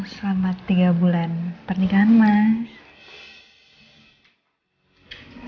selama tiga bulan pernikahan mas